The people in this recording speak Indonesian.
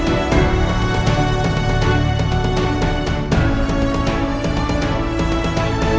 itu memang harus kukip juga